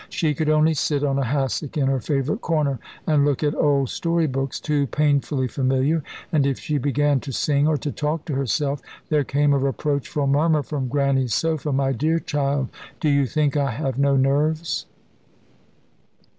She could only sit on a hassock in her favourite corner and look at old story books, too painfully familiar; and if she began to sing or to talk to herself, there came a reproachful murmur from Grannie's sofa: "My dear child, do you think I have no nerves?"